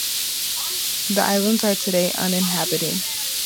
The islands are today uninhabited.